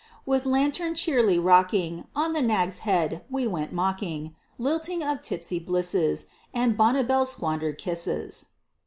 With lantern cheerly rocking On the nag's head, we went mocking Lilting of tipsy blisses, And Bonnibel's squandered kisses.